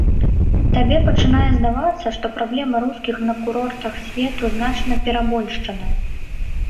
Табе пачынае здавацца, што праблема рускіх на курортах свету значна перабольшаная.